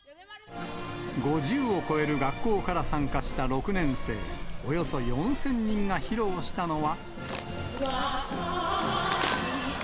５０を超える学校から参加した６年生およそ４０００人が披露したのは。